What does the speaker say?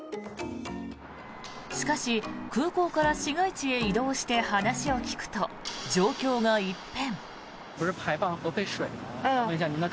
しかし、空港から市街地へ移動して話を聞くと状況が一変。